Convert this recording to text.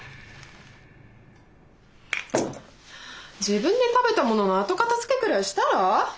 自分で食べたものの後片づけくらいしたら？